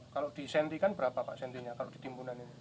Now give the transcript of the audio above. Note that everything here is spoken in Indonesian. kalau di senti kan berapa pak sentinya